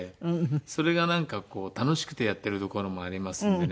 それが楽しくてやってるところもありますんでね。